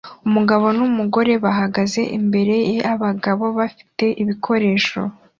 Umugabo numugore bahagaze imbere yabagabo bafite ibikoresho